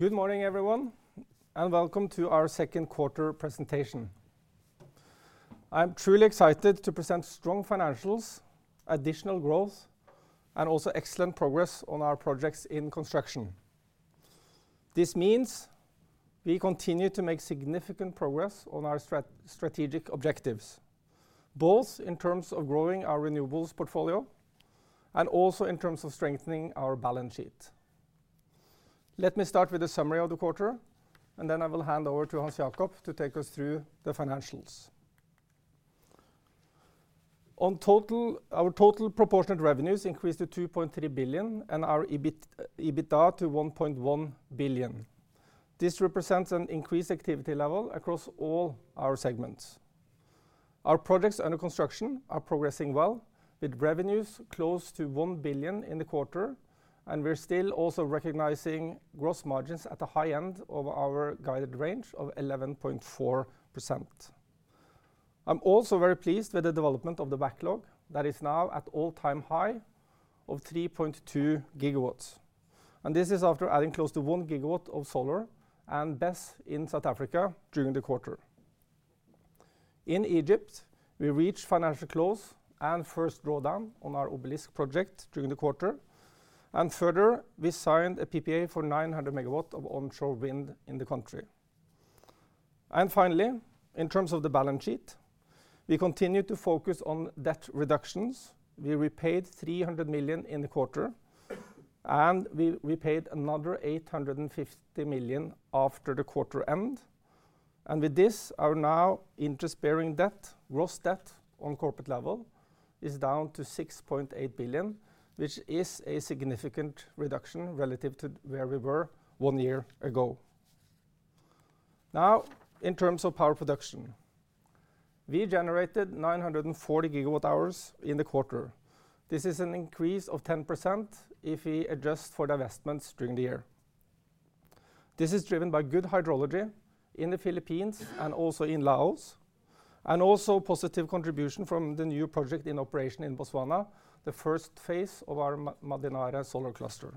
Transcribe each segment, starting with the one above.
Good morning, everyone, and welcome to our second quarter presentation. I'm truly excited to present strong financials, additional growth, and also excellent progress on our projects in construction. This means we continue to make significant progress on our strategic objectives, both in terms of growing our renewables portfolio and also in terms of strengthening our balance sheet. Let me start with a summary of the quarter, then I will hand over to Hans Jakob to take us through the financials. Our total proportionate revenues increased to 2.3 billion, and our EBITDA to 1.1 billion. This represents an increased activity level across all our segments. Our projects under construction are progressing well, with revenues close to 1 billion in the quarter, and we're still also recognizing gross margins at the high end of our guided range of 11.4%. I'm also very pleased with the development of the backlog that is now at an all-time high of 3.2 GW. This is after adding close to 1 GW of solar and battery energy storage systems in South Africa during the quarter. In Egypt, we reached financial close and first drawdown on our Obelisk project during the quarter. Further, we signed a PPA for 900 MW of onshore wind in the country. In terms of the balance sheet, we continue to focus on debt reductions. We repaid 300 million in the quarter, and we repaid another 850 million after the quarter end. With this, our now interest-bearing gross debt on corporate level is down to 6.8 billion, which is a significant reduction relative to where we were one year ago. In terms of power production, we generated 940 GWh in the quarter. This is an increase of 10% if we adjust for the investments during the year. This is driven by good hydrology in the Philippines and also in Laos, and also a positive contribution from the new project in operation in Botswana, the first phase of our Mmadinare solar cluster.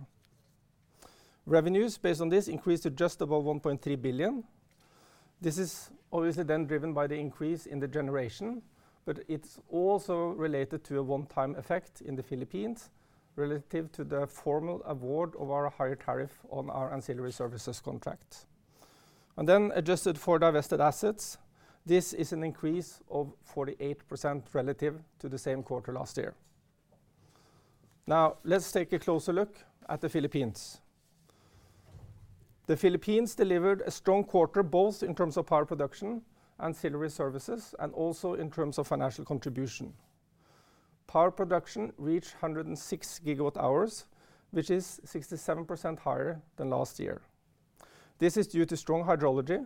Revenues based on this increased to just above 1.3 billion. This is obviously then driven by the increase in the generation, but it's also related to a one-time effect in the Philippines relative to the formal award of our higher tariff on our ancillary services contract. Adjusted for the invested assets, this is an increase of 48% relative to the same quarter last year. Now, let's take a closer look at the Philippines. The Philippines delivered a strong quarter both in terms of power production, ancillary services, and also in terms of financial contribution. Power production reached 106 GWh, which is 67% higher than last year. This is due to strong hydrology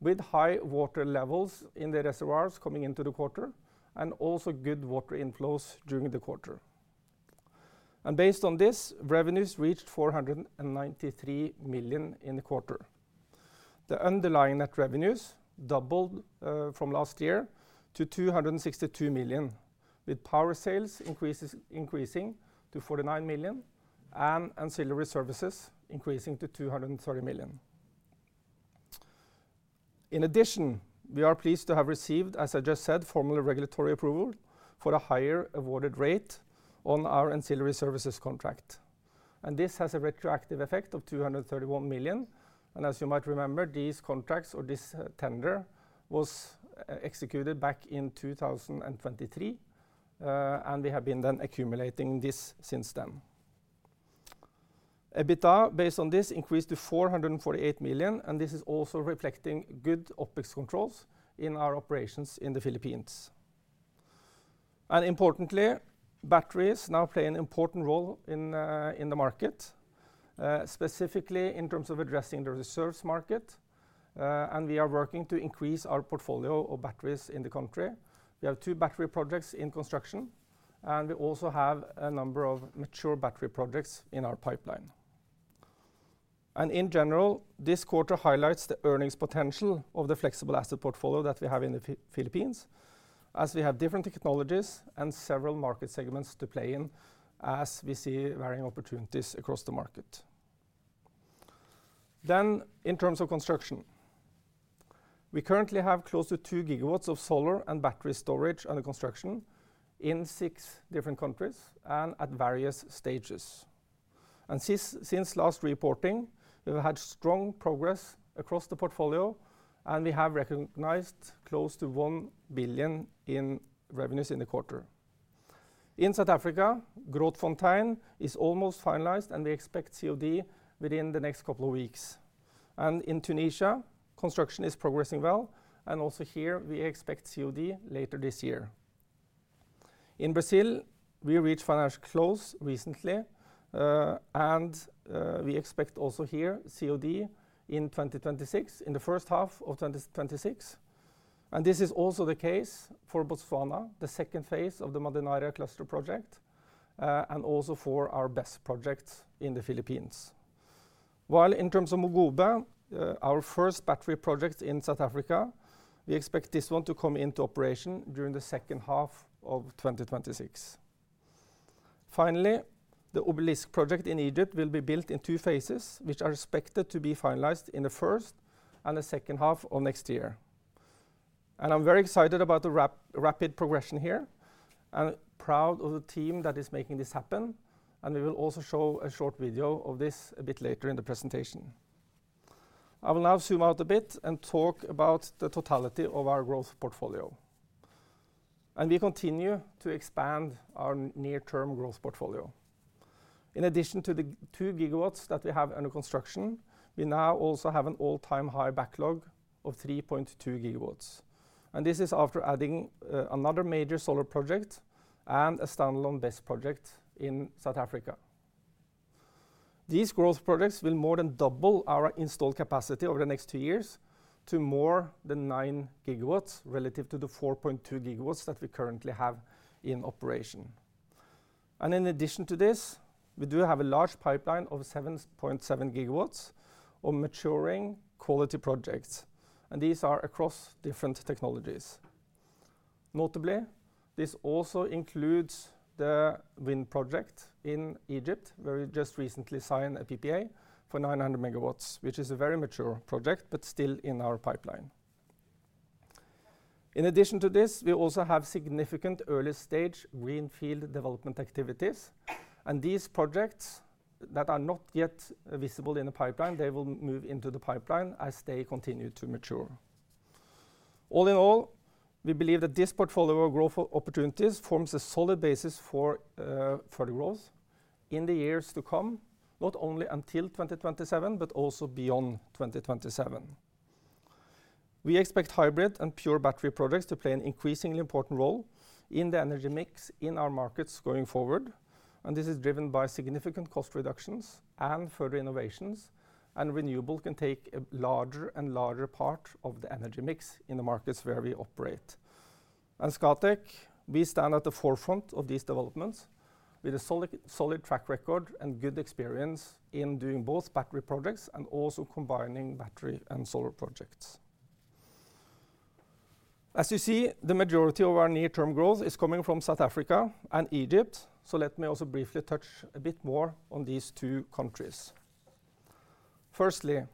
with high water levels in the reservoirs coming into the quarter and also good water inflows during the quarter. Based on this, revenues reached 493 million in the quarter. The underlying net revenues doubled from last year to 262 million, with power sales increasing to 49 million and ancillary services increasing to 230 million. In addition, we are pleased to have received, as I just said, formal regulatory approval for a higher awarded rate on our ancillary services contract. This has a retroactive effect of 231 million. As you might remember, these contracts or this tender was executed back in 2023, and we have been accumulating this since then. EBITDA based on this increased to 448 million, and this is also reflecting good OpEx controls in our operations in the Philippines. Importantly, batteries now play an important role in the market, specifically in terms of addressing the reserves market. We are working to increase our portfolio of batteries in the country. We have two battery projects in construction, and we also have a number of mature battery projects in our pipeline. In general, this quarter highlights the earnings potential of the flexible asset portfolio that we have in the Philippines, as we have different technologies and several market segments to play in as we see varying opportunities across the market. In terms of construction, we currently have close to 2 GW of solar and battery energy storage systems under construction in six different countries and at various stages. Since last reporting, we've had strong progress across the portfolio, and we have recognized close to 1 billion in revenues in the quarter. In South Africa, Grootsfontein is almost finalized, and we expect COD within the next couple of weeks. In Tunisia, construction is progressing well, and also here we expect COD later this year. In Brazil, we reached financial close recently, and we expect also here COD in 2026, in the first half of 2026. This is also the case for Botswana, the second phase of the Mmadinare cluster project, and also for our BESS projects in the Philippines. In terms of Mogobe, our first battery project in South Africa, we expect this one to come into operation during the second half of 2026. Finally, the Obelisk project in Egypt will be built in two phases, which are expected to be finalized in the first and the second half of next year. I'm very excited about the rapid progression here and proud of the team that is making this happen. We will also show a short video of this a bit later in the presentation. I will now zoom out a bit and talk about the totality of our growth portfolio. We continue to expand our near-term growth portfolio. In addition to the 2 GW that we have under construction, we now also have an all-time high backlog of 3.2 GW. This is after adding another major solar project and a standalone battery energy storage systems project in South Africa. These growth projects will more than double our installed capacity over the next two years to more than 9 GW relative to the 4.2 GW that we currently have in operation. In addition to this, we do have a large pipeline of 7.7 GW of maturing quality projects, and these are across different technologies. Notably, this also includes the wind project in Egypt, where we just recently signed a PPA for 900 MW, which is a very mature project but still in our pipeline. In addition to this, we also have significant early-stage greenfield development activities, and these projects that are not yet visible in the pipeline will move into the pipeline as they continue to mature. All in all, we believe that this portfolio of growth opportunities forms a solid basis for further growth in the years to come, not only until 2027 but also beyond 2027. We expect hybrid and pure battery projects to play an increasingly important role in the energy mix in our markets going forward, and this is driven by significant cost reductions and further innovations, and renewable can take a larger and larger part of the energy mix in the markets where we operate. At Scatec, we stand at the forefront of these developments with a solid track record and good experience in doing both battery projects and also combining battery and solar projects. As you see, the majority of our near-term growth is coming from South Africa and Egypt, so let me also briefly touch a bit more on these two countries. Firstly,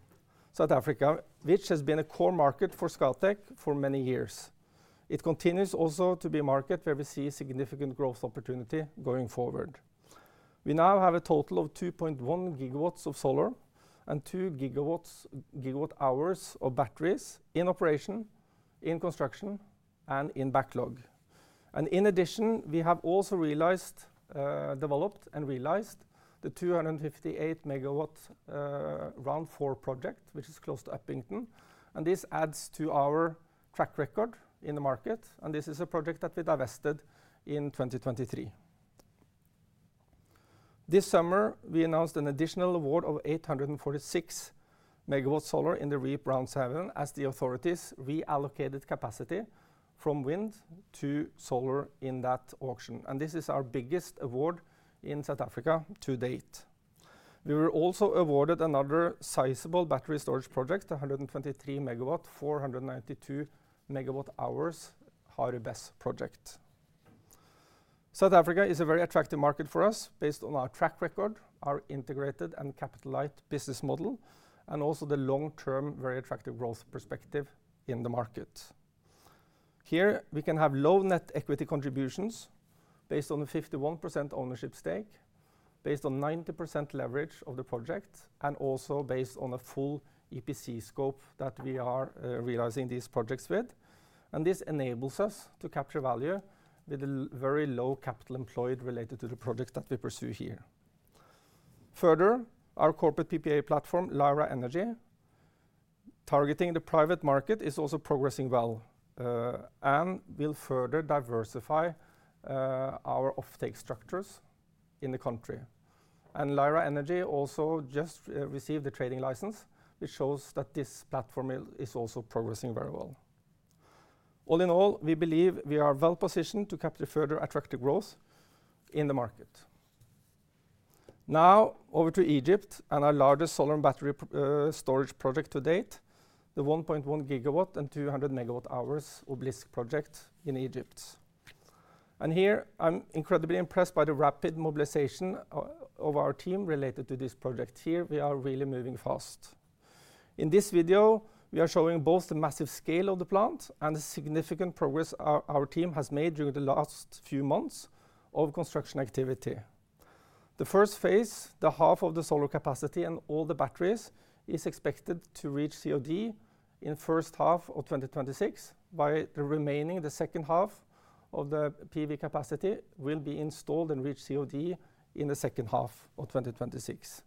South Africa, which has been a core market for Scatec for many years. It continues also to be a market where we see significant growth opportunity going forward. We now have a total of 2.1 GW of solar and 2 GWh of batteries in operation, in construction, and in backlog. In addition, we have also developed and realized the 258 MW round 4 project, which is close to Upington, and this adds to our track record in the market. This is a project that we divested in 2023. This summer, we announced an additional award of 846 MW solar in the REIPPPP Round 7 as the authorities reallocated capacity from wind to solar in that auction. This is our biggest award in South Africa to date. We were also awarded another sizable battery storage project, the 123 MW, 492 MWh Haru BESS project. South Africa is a very attractive market for us based on our track record, our integrated and capital-light business model, and also the long-term very attractive growth perspective in the market. Here, we can have low net equity contributions based on a 51% ownership stake, based on 90% leverage of the project, and also based on a full EPC scope that we are realizing these projects with. This enables us to capture value with a very low capital employed related to the projects that we pursue here. Further, our corporate PPA platform, Lyra Energy, targeting the private market, is also progressing well and will further diversify our offtake structures in the country. Lyra Energy also just received a trading license, which shows that this platform is also progressing very well. All in all, we believe we are well positioned to capture further attractive growth in the market. Now, over to Egypt and our largest solar and battery storage project to date, the 1.1 GW and 200 MWh Obelisk project in Egypt. Here, I'm incredibly impressed by the rapid mobilization of our team related to this project. We are really moving fast. In this video, we are showing both the massive scale of the plant and the significant progress our team has made during the last few months of construction activity. The first phase, half of the solar capacity and all the batteries, is expected to reach COD in the first half of 2026, while the remaining, the second half of the PV capacity, will be installed and reach COD in the second half of 2026.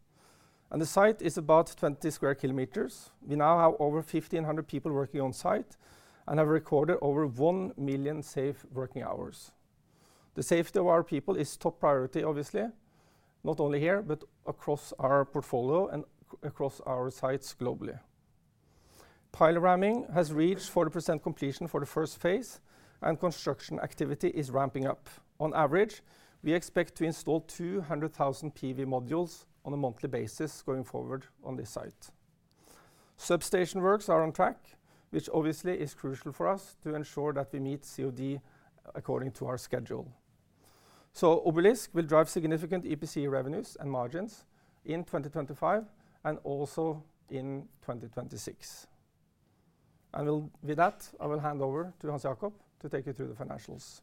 The site is about 20 square kilometers. We now have over 1,500 people working on site and have recorded over 1 million safe working hours. The safety of our people is top priority, obviously, not only here but across our portfolio and across our sites globally. Pilot ramming has reached 40% completion for the first phase, and construction activity is ramping up. On average, we expect to install 200,000 PV modules on a monthly basis going forward on this site. Substation works are on track, which obviously is crucial for us to ensure that we meet COD according to our schedule. Obelisk will drive significant EPC revenues and margins in 2025 and also in 2026. With that, I will hand over to Hans Jakob to take you through the financials.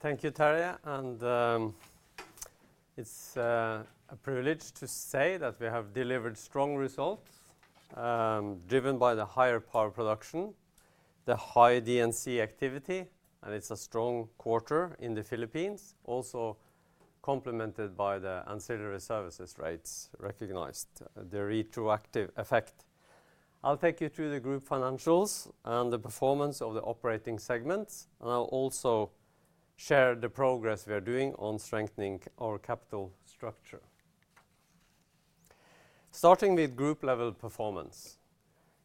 Thank you, Terje. It's a privilege to say that we have delivered strong results driven by the higher power production, the high D&C activity, and it's a strong quarter in the Philippines, also complemented by the ancillary services rates recognized, the retroactive effect. I'll take you through the group financials and the performance of the operating segments. I'll also share the progress we are doing on strengthening our capital structure. Starting with group-level performance,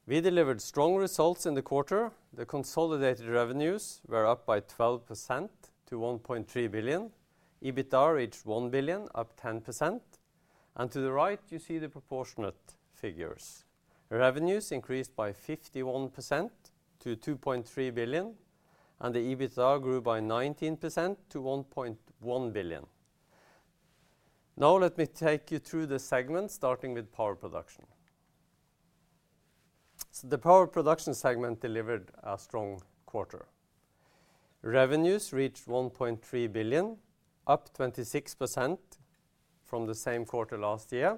we delivered strong results in the quarter. The consolidated revenues were up by 12% to 1.3 billion. EBITDA reached 1 billion, up 10%. To the right, you see the proportionate figures. Revenues increased by 51% to 2.3 billion, and the EBITDA grew by 19% to 1.1 billion. Now, let me take you through the segments, starting with power production. The power production segment delivered a strong quarter. Revenues reached 1.3 billion, up 26% from the same quarter last year.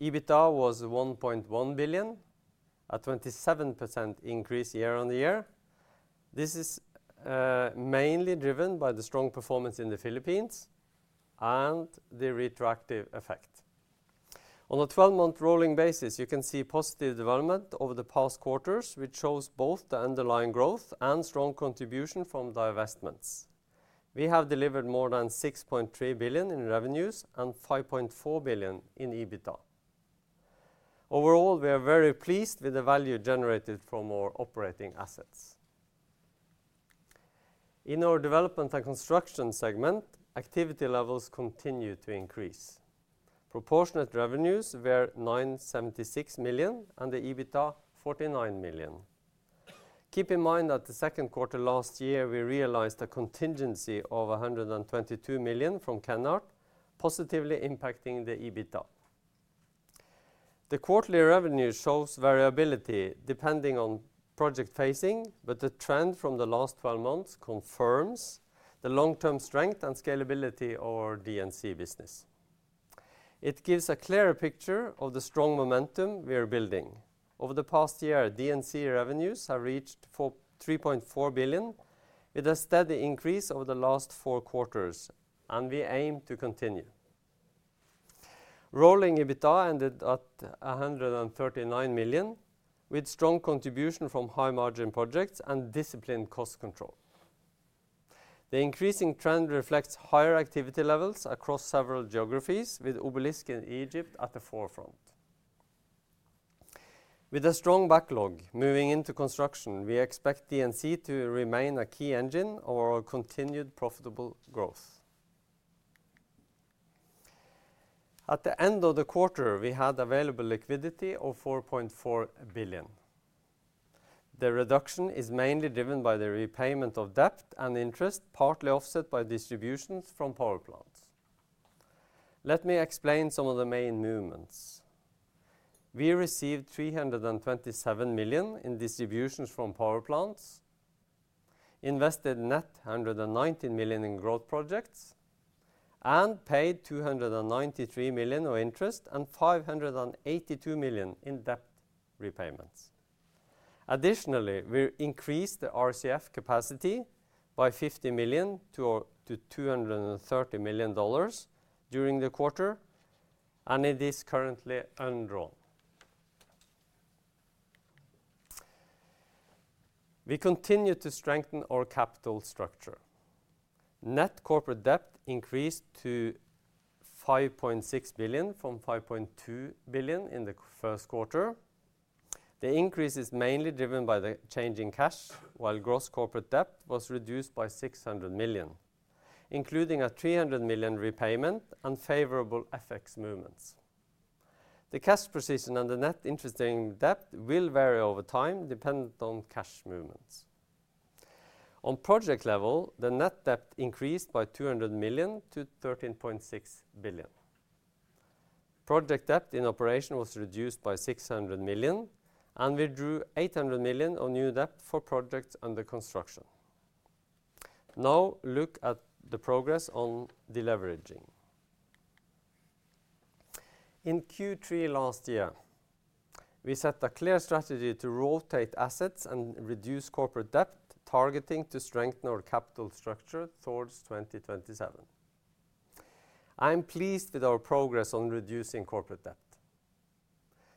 EBITDA was 1.1 billion, a 27% increase year on year. This is mainly driven by the strong performance in the Philippines and the retroactive effect. On a 12-month rolling basis, you can see positive development over the past quarters, which shows both the underlying growth and strong contribution from the investments. We have delivered more than 6.3 billion in revenues and 5.4 billion in EBITDA. Overall, we are very pleased with the value generated from our operating assets. In our development and construction segment, activity levels continue to increase. Proportionate revenues were 976 million and the EBITDA 49 million. Keep in mind that the second quarter last year, we realized a contingency of 122 million from Kenhardt, positively impacting the EBITDA. The quarterly revenue shows variability depending on project phasing, but the trend from the last 12 months confirms the long-term strength and scalability of our D&C business. It gives a clearer picture of the strong momentum we are building. Over the past year, D&C revenues have reached 3.4 billion with a steady increase over the last four quarters, and we aim to continue. Rolling EBITDA ended at 139 million with strong contribution from high-margin projects and disciplined cost control. The increasing trend reflects higher activity levels across several geographies, with Obelisk in Egypt at the forefront. With a strong backlog moving into construction, we expect D&C to remain a key engine of our continued profitable growth. At the end of the quarter, we had available liquidity of 4.4 billion. The reduction is mainly driven by the repayment of debt and interest, partly offset by distributions from power plants. Let me explain some of the main movements. We received 327 million in distributions from power plants, invested net 119 million in growth projects, and paid 293 million of interest and 582 million in debt repayments. Additionally, we increased the RCF capacity by $50 million-$2230 million during the quarter, and it is currently underwritten. We continue to strengthen our capital structure. Net corporate debt increased to 5.6 billion from 5.2 billion in the first quarter. The increase is mainly driven by the change in cash, while gross corporate debt was reduced by 600 million, including a 300 million repayment and favorable FX movements. The cash position and the net interest in debt will vary over time, dependent on cash movements. On project level, the net debt increased by 200 million to 13.6 billion. Project debt in operation was reduced by 600 million, and we drew 800 million of new debt for projects under construction. Now, look at the progress on deleveraging. In Q3 last year, we set a clear strategy to rotate assets and reduce corporate debt, targeting to strengthen our capital structure towards 2027. I'm pleased with our progress on reducing corporate debt.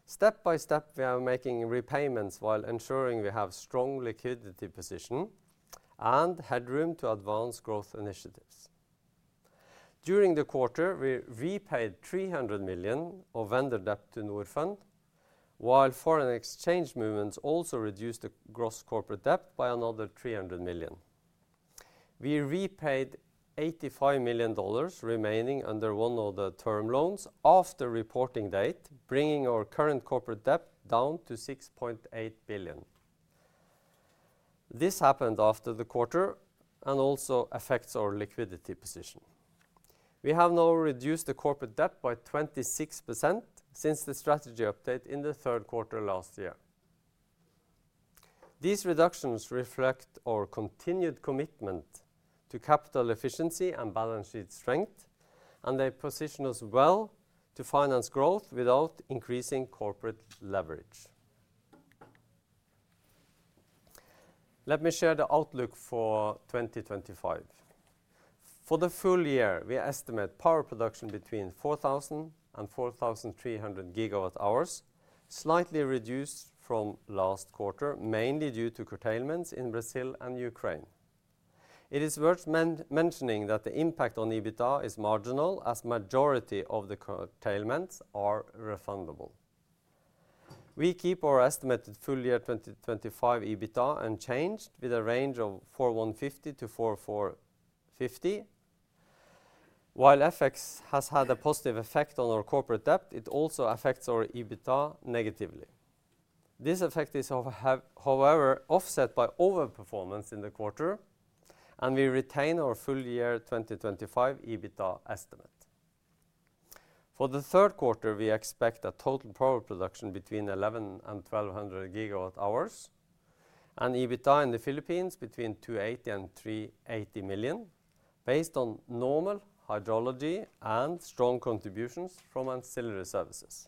Step by step, we are making repayments while ensuring we have a strong liquidity position and headroom to advance growth initiatives. During the quarter, we repaid 300 million of vendor debt to Northend, while foreign exchange movements also reduced the gross corporate debt by another 300 million. We repaid $85 million remaining under one of the term loans after the reporting date, bringing our current corporate debt down to 6.8 billion. This happened after the quarter and also affects our liquidity position. We have now reduced the corporate debt by 26% since the strategy update in the third quarter last year. These reductions reflect our continued commitment to capital efficiency and balance sheet strength, and they position us well to finance growth without increasing corporate leverage. Let me share the outlook for 2025. For the full year, we estimate power production between 4,000 GWh and 4,300 GWh, slightly reduced from last quarter, mainly due to curtailments in Brazil and Ukraine. It is worth mentioning that the impact on EBITDA is marginal, as the majority of the curtailments are refundable. We keep our estimated full-year 2025 EBITDA unchanged with a range of 4,150 million-anOK 4,450 million. While FX has had a positive effect on our corporate debt, it also affects our EBITDA negatively. This effect is, however, offset by overperformance in the quarter, and we retain our full-year 2025 EBITDA estimate. For the third quarter, we expect a total power production between 1,100 GHh and 1,200 GWh, and EBITDA in the Philippines between 280 million and 380 million, based on normal hydrology and strong contributions from ancillary services.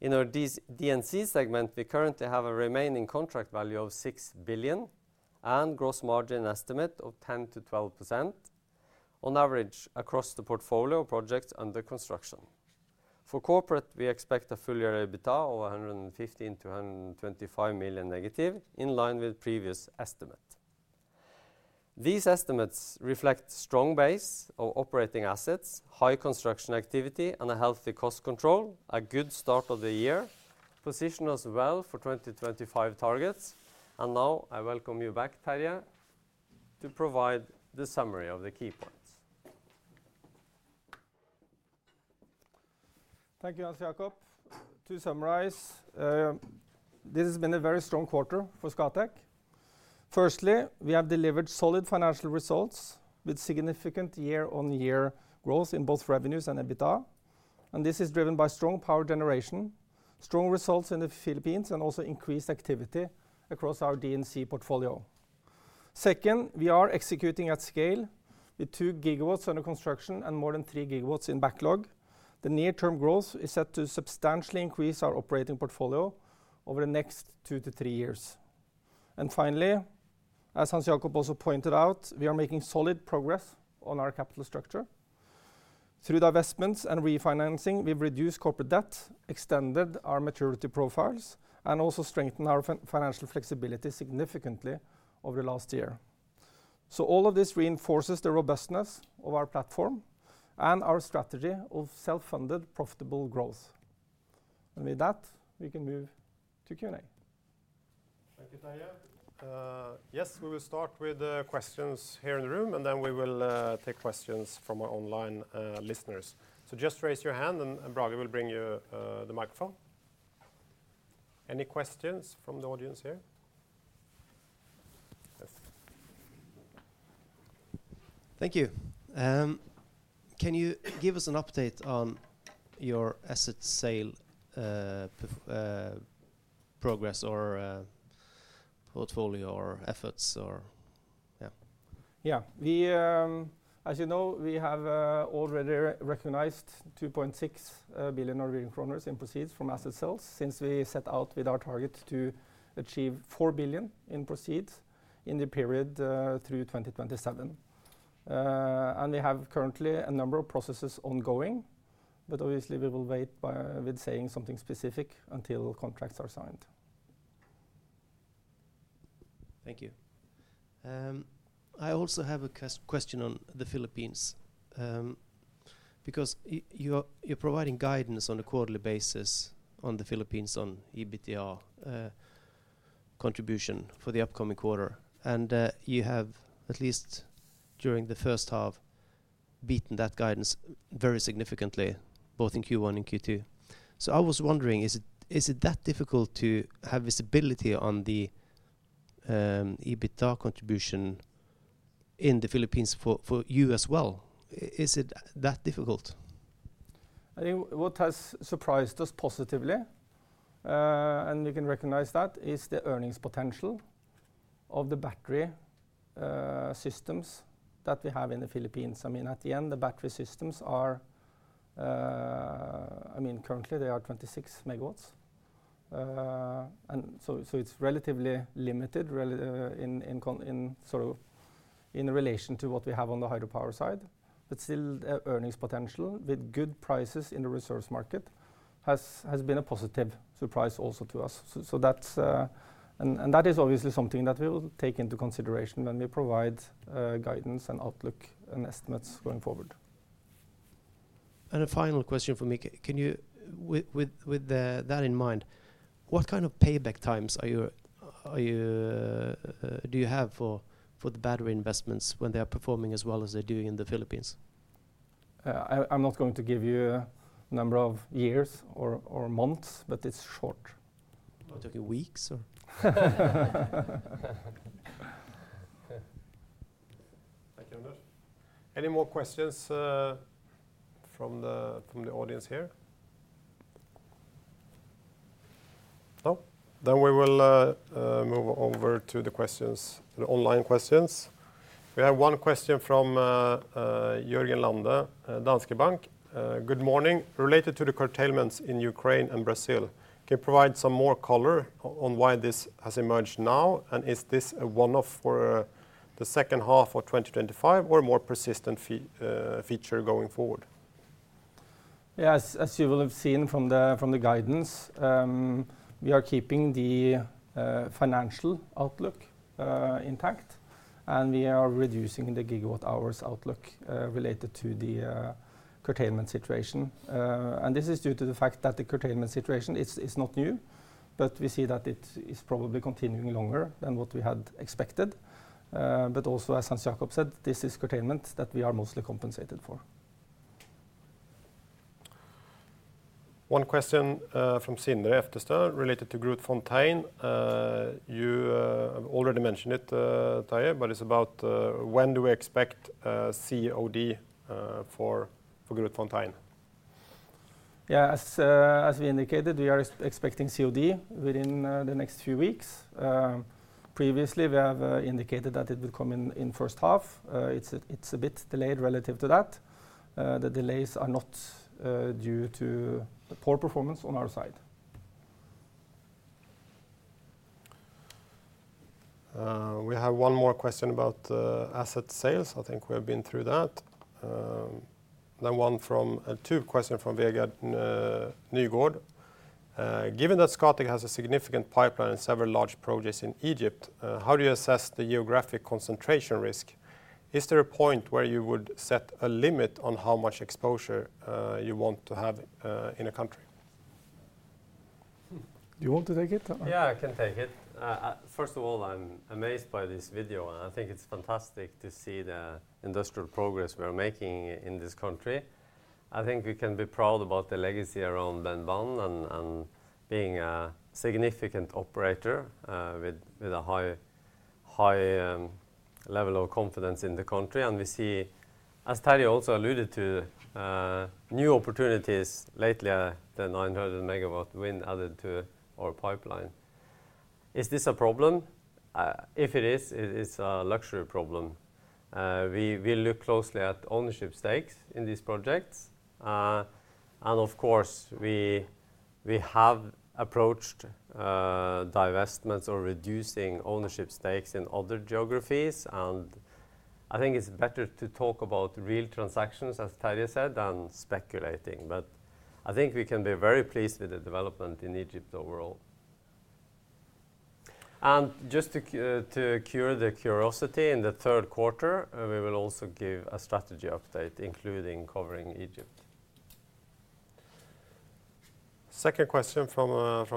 In our D&C segment, we currently have a remaining contract value of 6 billion and a gross margin estimate of 10%-12% on average across the portfolio of projects under construction. For corporate, we expect a full-year EBITDA of 115 million to 125 million negative, in line with previous estimates. These estimates reflect a strong base of operating assets, high construction activity, and healthy cost control, a good start of the year, position us well for 2025 targets. I welcome you back, Terje, to provide the summary of the key points. Thank you, Hans Jakob. To summarize, this has been a very strong quarter for Scatec. Firstly, we have delivered solid financial results with significant year-on-year growth in both revenues and EBITDA, and this is driven by strong power generation, strong results in the Philippines, and also increased activity across our DNC portfolio. Second, we are executing at scale with 2 GW under construction and more than 3 GW in backlog. The near-term growth is set to substantially increase our operating portfolio over the next 2 to 3 years. Finally, as Hans Jakob also pointed out, we are making solid progress on our capital structure. Through the investments and refinancing, we've reduced corporate debt, extended our maturity profiles, and also strengthened our financial flexibility significantly over the last year. All of this reinforces the robustness of our platform and our strategy of self-funded profitable growth. With that, we can move to Q&A. Thank you, Terje. Yes, we will start with questions here in the room, and then we will take questions from our online listeners. Just raise your hand, and Brage will bring you the microphone. Any questions from the audience here? Thank you. Can you give us an update on your asset sale progress or portfolio or efforts? Yeah, as you know, we have already recognized 2.6 billion Norwegian kroner in proceeds from asset sales since we set out with our target to achieve 4 billion in proceeds in the period through 2027. We have currently a number of processes ongoing, but obviously, we will wait with saying something specific until contracts are signed. Thank you. I also have a question on the Philippines, because you're providing guidance on a quarterly basis on the Philippines on EBITDA contribution for the upcoming quarter, and you have at least during the first half beaten that guidance very significantly, both in Q1 and Q2. I was wondering, is it that difficult to have visibility on the EBITDA contribution in the Philippines for you as well? Is it that difficult? I think what has surprised us positively, and you can recognize that, is the earnings potential of the battery systems that we have in the Philippines. I mean, at the end, the battery systems are, I mean, currently, they are 26 MW, so it's relatively limited in sort of in relation to what we have on the hydropower side. Still, the earnings potential with good prices in the resource market has been a positive surprise also to us. That is obviously something that we will take into consideration when we provide guidance and outlook and estimates going forward. A final question from me. With that in mind, what kind of payback times do you have for the battery investments when they are performing as well as they do in the Philippines? I'm not going to give you a number of years or months, but it's short. Weeks or? Thank you very much. Any more questions from the audience here? No? We will move over to the questions, the online questions. We have one question from Jørgen Lande at Danske Bank. Good morning. Related to the curtailments in Ukraine and Brazil, can you provide some more color on why this has emerged now, and is this a one-off for the second half of 2025 or a more persistent feature going forward? Yeah, as you will have seen from the guidance, we are keeping the financial outlook intact, and we are reducing the gigawatt-hours outlook related to the curtailment situation. This is due to the fact that the curtailment situation is not new, but we see that it is probably continuing longer than what we had expected. Also, as Hans Jakob Hegge said, this is curtailment that we are mostly compensated for. One question from Sindre Eftestøl related to Grootsfontein. You already mentioned it, Terje, but it's about when do we expect COD for Grootsfontein? Yeah, as we indicated, we are expecting COD within the next few weeks. Previously, we have indicated that it would come in the first half. It's a bit delayed relative to that. The delays are not due to the poor performance on our side. We have one more question about asset sales. I think we have been through that. Then one from a two-question from Vegard Nygaard. Given that Scatec has a significant pipeline and several large projects in Egypt, how do you assess the geographic concentration risk? Is there a point where you would set a limit on how much exposure you want to have in a country? Do you want to take it? Yeah, I can take it. First of all, I'm amazed by this video, and I think it's fantastic to see the industrial progress we're making in this country. I think we can be proud about the legacy around Benban and being a significant operator with a high level of confidence in the country. As Terje also alluded to, we see new opportunities lately, the 900 MW wind added to our pipeline. Is this a problem? If it is, it's a luxury problem. We look closely at ownership stakes in these projects. Of course, we have approached divestments or reducing ownership stakes in other geographies. I think it's better to talk about real transactions, as Terje said, than speculating. I think we can be very pleased with the development in Egypt overall. Just to cure the curiosity, in the third quarter, we will also give a strategy update, including covering Egypt. Second question from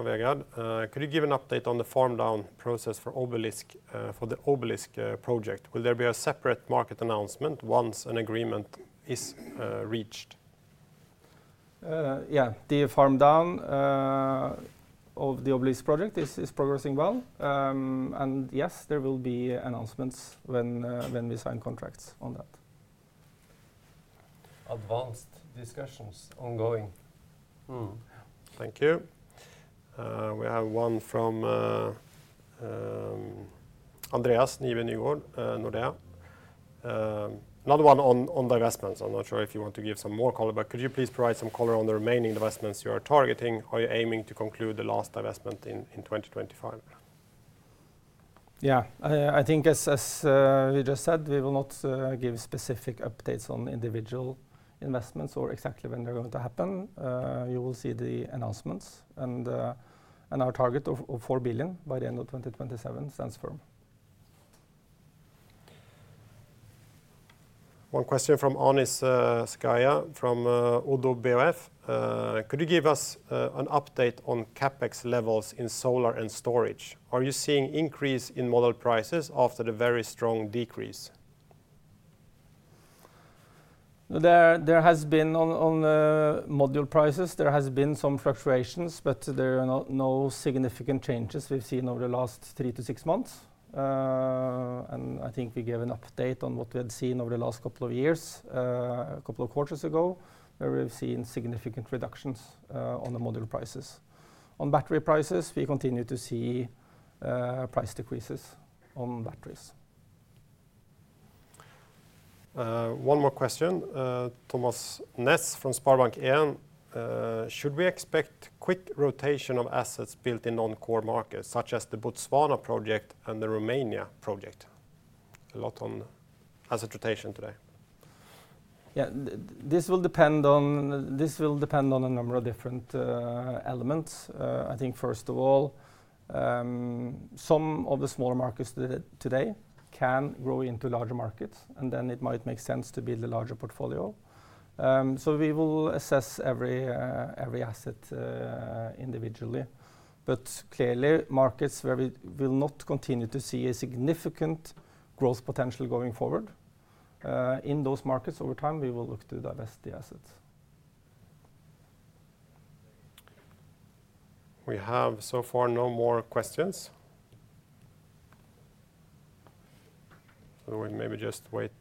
Vegard. Could you give an update on the farm-down process for the Obelisk project? Will there be a separate market announcement once an agreement is reached? Yeah, the farm-down of the Obelisk project is progressing well. There will be announcements when we sign contracts on that. Advanced discussions ongoing. Thank you. We have one from Andreas Nygard, Nordea. Another one on divestments. I'm not sure if you want to give some more color, but could you please provide some color on the remaining divestments you are targeting? Are you aiming to conclude the last divestment in 2025? I think, as we just said, we will not give specific updates on individual investments or exactly when they're going to happen. You will see the announcements, and our target of 4 billion by the end of 2027 stands firm. One question from Anis Zyaga from ODDO BHIF Could you give us an update on CapEx levels in solar and storage? Are you seeing an increase in module prices after the very strong decrease? There has been on module prices, there have been some fluctuations, but there are no significant changes we've seen over the last three to six months. I think we gave an update on what we had seen over the last couple of years, a couple of quarters ago, where we've seen significant reductions on the module prices. On battery prices, we continue to see price decreases on batteries. One more question. Thomas Ness from Sparebanken. Should we expect quick rotation of assets built in non-core markets, such as the Botswana project and the Romania project? A lot on asset rotation today. Yeah, this will depend on a number of different elements. I think, first of all, some of the smaller markets today can grow into larger markets, and then it might make sense to build a larger portfolio. We will assess every asset individually. Clearly, markets where we will not continue to see a significant growth potential going forward in those markets over time, we will look to divest the assets. We have so far no more questions. We maybe just wait.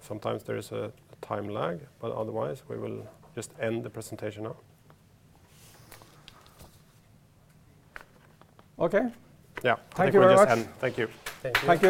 Sometimes there is a time lag, but otherwise, we will just end the presentation now. Okay. Yeah. Thank you very much. Thank you. Thank you.